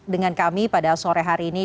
dengan kami pada sore hari ini